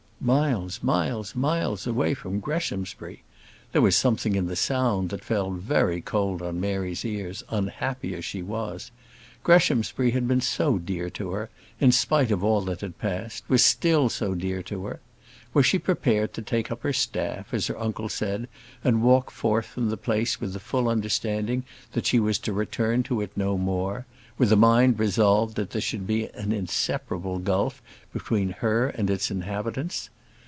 Miles, miles, miles away from Greshamsbury! There was something in the sound that fell very cold on Mary's ears, unhappy as she was. Greshamsbury had been so dear to her; in spite of all that had passed, was still so dear to her! Was she prepared to take up her staff, as her uncle said, and walk forth from the place with the full understanding that she was to return to it no more; with a mind resolved that there should be an inseparable gulf between her and its inhabitants?